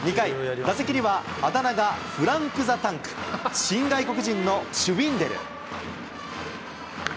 ２回、打席にはあだ名がフランク・ザ・タンク、新外国人のシュウィンデル。